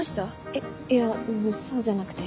えっいやそうじゃなくて。